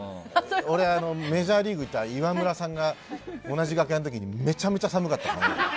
俺、メジャーリーグ行ったイワムラさんが同じ楽屋の時にめちゃめちゃ寒かった。